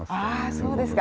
あそうですか。